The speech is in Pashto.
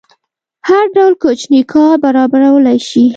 هر ډول کوچنی کار برابرولی شي.